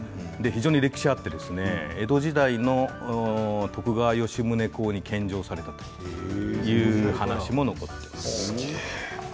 非常に歴史があって江戸時代の徳川吉宗公に献上されたという話も残っています。